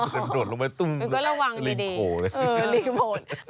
มึงก็ระวังดีเออลิงโผลดเออลิงโผลด